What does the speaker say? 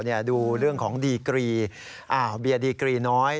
ดูเรื่องของดีกรีอ้าวเบียร์ดีกรีน้อย